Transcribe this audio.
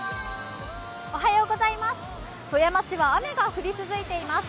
富山市は雨が降り続いています。